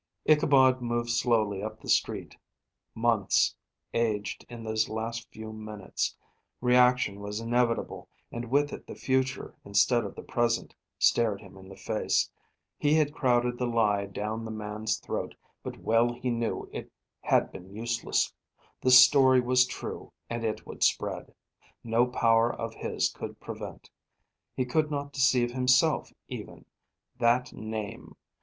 Ichabod moved slowly up the street, months aged in those last few minutes. Reaction was inevitable, and with it the future instead of the present, stared him in the face. He had crowded the lie down the man's throat, but well he knew it had been useless. The story was true, and it would spread; no power of his could prevent. He could not deceive himself, even. That name!